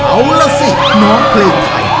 เอาล่ะสิน้องเพลงไทย